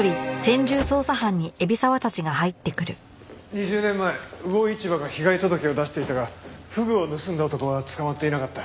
２０年前魚市場が被害届を出していたがフグを盗んだ男は捕まっていなかった。